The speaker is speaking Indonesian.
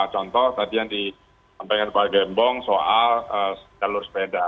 contoh tadi yang disampaikan pak gembong soal jalur sepeda